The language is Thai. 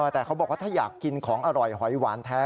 แต่เขาบอกว่าถ้าอยากกินของอร่อยหอยหวานแท้